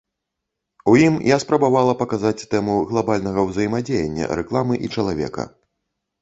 У ім я спрабавала паказаць тэму глабальнага ўзаемадзеяння рэкламы і чалавека.